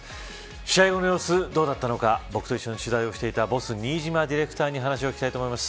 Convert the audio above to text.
試合後の様子、どうだったのか僕と一緒に取材をしていたボス新島ディレクターに話を聞きたいと思います。